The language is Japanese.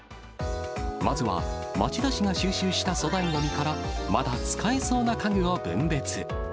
まずは、町田市が収集した粗大ごみから、まだ使えそうな家具を分別。